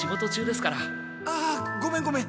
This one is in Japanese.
ああごめんごめん。